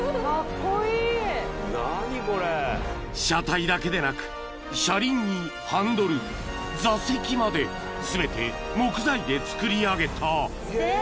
［車体だけでなく車輪にハンドル座席まで全て木材で作り上げた］